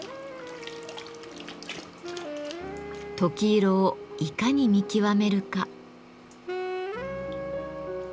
とき色をいかに見極めるか。